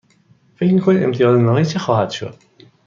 فکر می کنید امتیاز نهایی چه خواهد شد؟